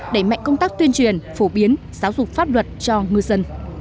đẩy mạnh công tác tuyên truyền phổ biến giáo dục pháp luật cho ngư dân